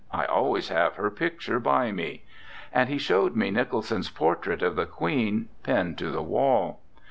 I always have her picture by me/' And he showed me Nicholson's portrait of the Queen pinned to the wall.